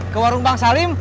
ke warung bang salim